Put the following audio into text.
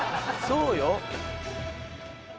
そうよ。